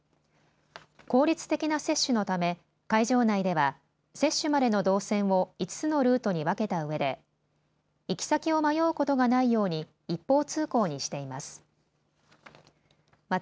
効率的な接種のため会場内では接種までの動線を５つのルートに分けたうえで、行き先を迷うことがないように一方通行にしています。